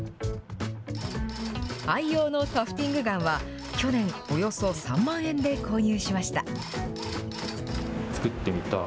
愛用のタフティングガンは去年、およそ３万円で購入しました。